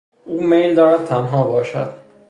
او میل دارد تنها باشد.